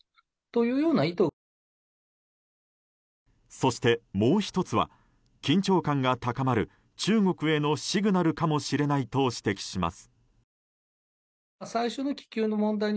そして、もう１つは緊張感が高まる中国へのシグナルかもしれないと指摘します。